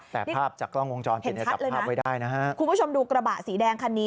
แต่ภาพจากกล้องวงจรเห็นชัดเลยนะคุณผู้ชมดูกระบะสีแดงคันนี้